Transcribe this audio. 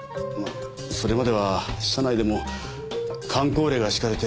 それまでは社内でも箝口令が敷かれて。